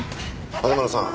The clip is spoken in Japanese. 花村さん